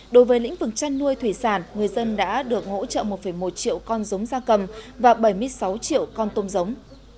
đối với lĩnh vực chăn nuôi thủy sản người dân đã được hỗ trợ một một triệu con giống ra cầm và bảy mươi sáu triệu con tôm giống